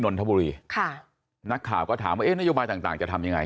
นนทบุรีค่ะนักข่าวก็ถามว่าเอ๊ะนโยบายต่างต่างจะทำยังไง